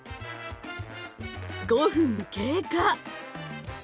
５分経過。